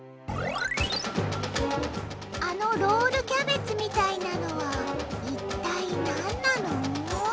あのロールキャベツみたいなのはいったいなんなの？